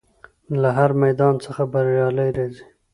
له هر میدان څخه بریالی راځي.